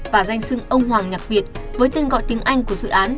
và danh sưng ông hoàng nhật việt với tên gọi tiếng anh của dự án